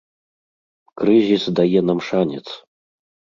Крызіс дае нам шанец.